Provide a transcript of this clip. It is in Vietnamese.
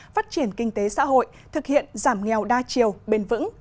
phát triển kinh tế xã hội thực hiện giảm nghèo đa chiều bền vững